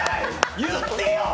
言ってよ！